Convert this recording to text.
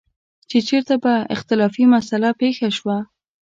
چې چېرته به اختلافي مسله پېښه شوه.